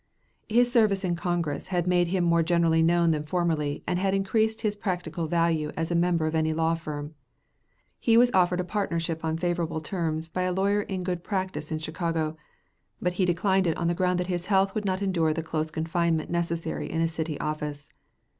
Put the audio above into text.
His service in Congress had made him more generally known than formerly, and had increased his practical value as a member of any law firm. He was offered a partnership on favorable terms by a lawyer in good practice in Chicago; but he declined it on the ground that his health would not endure the close confinement necessary in a city office.